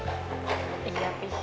terima kasih dapi